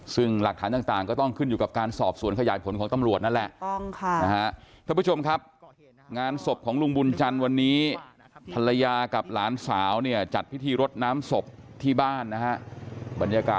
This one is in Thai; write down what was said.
ซึ่งหลักฐานต่างก็ต้องขึ้นอยู่กับการสอบสวนขยายผลของตำรวจนั่นแหละ